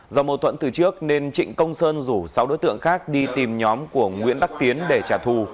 do mâu thuẫn từ trước nên trịnh công sơn rủ sáu đối tượng khác đi tìm nhóm của nguyễn đắc tiến để trả thù